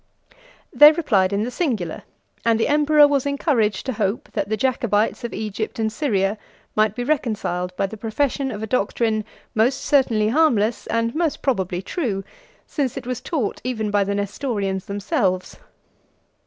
They replied in the singular, and the emperor was encouraged to hope that the Jacobites of Egypt and Syria might be reconciled by the profession of a doctrine, most certainly harmless, and most probably true, since it was taught even by the Nestorians themselves.